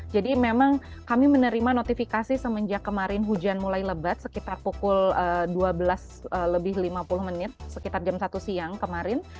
jadi memang kami menerima notifikasi semenjak kemarin hujan mulai lebat sekitar pukul dua belas lebih lima puluh menit sekitar jam satu siang kemarin